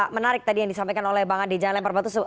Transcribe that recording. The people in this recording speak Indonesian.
menarik tadi yang disampaikan oleh bang ade